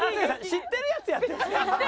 知ってるやつやって。